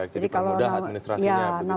jadi permudah administrasinya